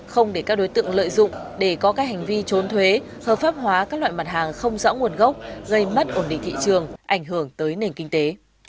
không để các đối tượng lợi dụng để có các hành vi trốn thuế hợp pháp hóa các loại mặt hàng không rõ nguồn gốc gây mất ổn định thị trường ảnh hưởng tới nền kinh tế